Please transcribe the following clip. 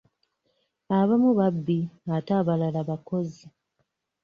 Abamu babbi ate abalala bakozi.